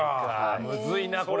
むずいなこれ。